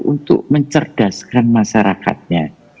untuk mencerdaskan masyarakatnya